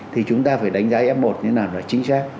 thì chúng ta phải đánh giá f một như thế nào là chính xác